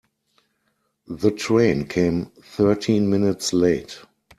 The train came thirteen minutes late.